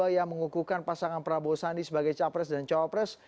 yang mengukuhkan pasangan prabowo sandi sebagai capres dan cawapres